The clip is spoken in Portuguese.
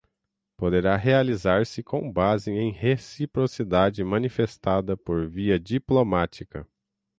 poderá realizar-se com base em reciprocidade, manifestada por via diplomática.